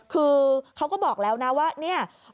คือเขาก็บอกแล้วนะว่าเนี่ย